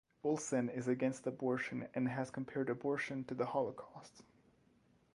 Olsen is against abortion and has compared abortion to the Holocaust.